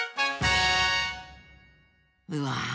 うわ！